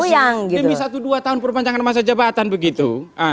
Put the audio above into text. jangan ditolak olah ini satu dua tahun perpanjangan masa jabatan begitu